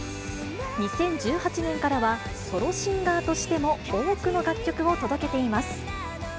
２０１８年からは、ソロシンガーとしても多くの楽曲を届けています。